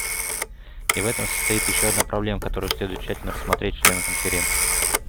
И в этом состоит еще одна проблема, которую следует тщательно рассмотреть членам Конференции.